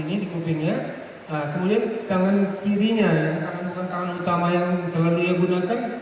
kemudian tangan kirinya yang bukan tangan utama yang selalu dia gunakan